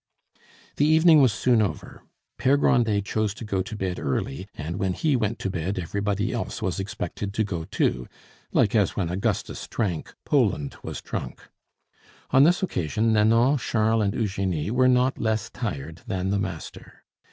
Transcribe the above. The evening was soon over. Pere Grandet chose to go to bed early, and when he went to bed, everybody else was expected to go too; like as when Augustus drank, Poland was drunk. On this occasion Nanon, Charles, and Eugenie were not less tired than the master.